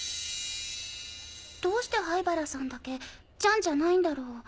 どうして灰原さんだけ「ちゃん」じゃないんだろ？